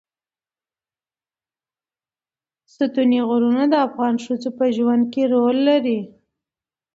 ستوني غرونه د افغان ښځو په ژوند کې رول لري.